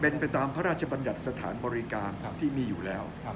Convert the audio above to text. เป็นไปตามพระราชบัญญัติสถานบริการที่มีอยู่แล้ว